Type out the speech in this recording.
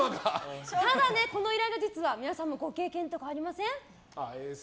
ただ、このイライラ皆さんもご経験ありません？